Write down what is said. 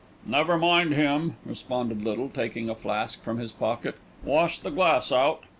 "Never mind him," responded Little, taking a flask from his pocket. "Wash the glass out."